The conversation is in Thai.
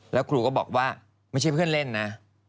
แล้วครูก็บอกว่าไม่ใช่เพื่อนเล่นนะ